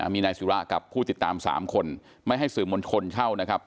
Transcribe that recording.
มีนายศิระกับผู้ติดตาม๓คนไม่ให้สื่อมวลชนเข้านะครับ